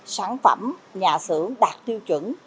sản phẩm nhà sử đạt tiêu chuẩn